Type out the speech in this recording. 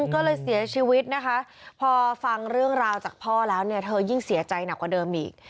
ก็เลยเสียชีวิตนะคะพอฟังเรื่องราวจากพ่อแล้วเนี่ยเธอยิ่งเสียใจหนักกว่าเดิมอีก